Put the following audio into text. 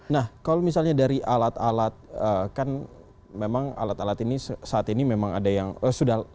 nah kalau misalnya dari alat alat kan memang alat alat ini saat ini memang ada yang sudah